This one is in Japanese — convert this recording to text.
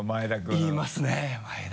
言いますね前田。